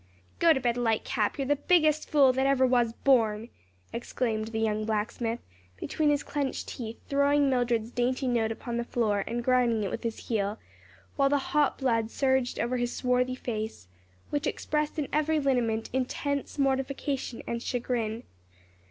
"GOTOBED LIGHTCAP, you're the biggest fool that ever was born!" exclaimed the young blacksmith, between his clenched teeth, throwing Mildred's dainty note upon the floor and grinding it with his heel, while the hot blood surged over his swarthy face, which expressed in every lineament intense mortification and chagrin.